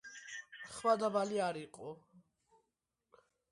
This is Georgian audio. პენკოვსკი მეცნიერის ნიღბის ქვეშ მოქმედებდა და სტუმრობდა უცხოელებს მათ სასტუმრო ნომრებში.